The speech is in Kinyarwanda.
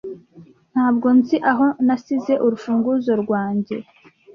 Ntabwo nzi aho nasize urufunguzo rwanjye.